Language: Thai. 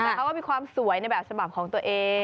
เค้าว่ามีความสวยในสมบัติของตัวเอง